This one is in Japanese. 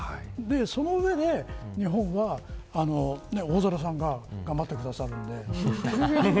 その上で日本は大空さんが頑張ってくださるので。